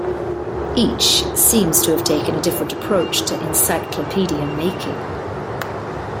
Each seems to have taken a different approach to encyclopedia-making.